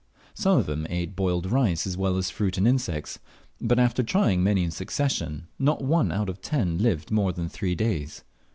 Some of them ate boiled rice as well as fruit and insects; but after trying many in succession, not one out of ten lived more than three days.